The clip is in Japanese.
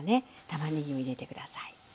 たまねぎを入れて下さい。